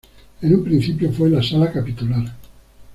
En un principio fue la sala capitular.